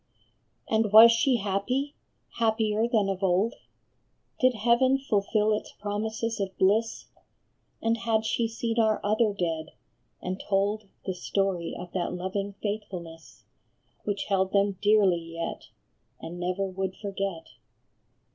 And was she happy, happier than of old ? Did heaven fulfil its promises of bliss? And had she seen our other dead, and told The story of that loving faithfulness Which held them dearly yet and never would forget?